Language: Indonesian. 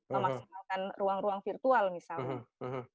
memaksimalkan ruang ruang virtual misalnya